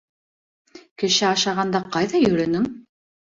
— Кеше ашағанда ҡайҙа йөрөнөң?